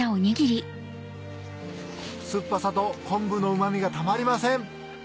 酸っぱさと昆布のうま味がたまりません